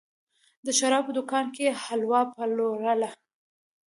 د شرابو دوکان کې یې حلوا پلورله.